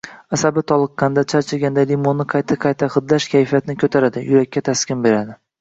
Asab toliqqanda, charchaganda limonni qayta-qayta hidlash kayfiyatni ko‘taradi, yurakka taskin beradi.